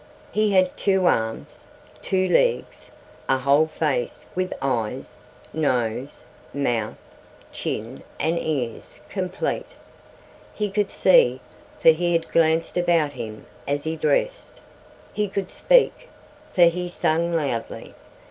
He had two arms, two legs, a whole face with eyes, nose, mouth, chin, and ears, complete. He could see, for he had glanced about him as he dressed. He could speak, for he sang loudly.